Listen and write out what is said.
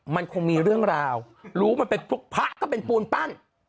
มันคงมีเรื่องราวรู้มันเป็นพวกพระก็เป็นปูนปั้น